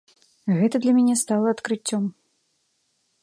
Гэта для мяне стала адкрыццём.